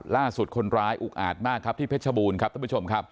ล่าสุดคนร้ายอุอาจมากที่เผ็ดชะบูรณ์